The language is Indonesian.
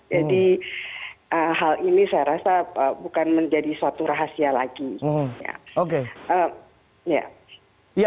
jadi hal ini saya rasa bukan menjadi suatu rahasia lagi